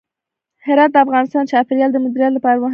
هرات د افغانستان د چاپیریال د مدیریت لپاره مهم دي.